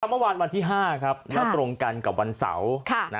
เมื่อวานวันที่๕ครับแล้วตรงกันกับวันเสาร์